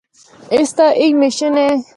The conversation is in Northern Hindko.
اسدا ایہی مشن اے۔